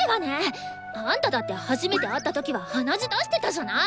あんただって初めて会った時は鼻血出してたじゃない！